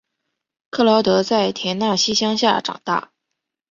克劳德在田纳西乡下长大。